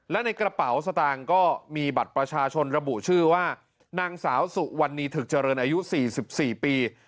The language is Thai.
และในกระเป๋าสตางค์ก็มีบัตรประชาชนระบุชื่อว่านางสาวสุวรรณีถึกเจริญอายุ๔๔ปี